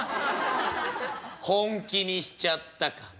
本気にしちゃったかな？」。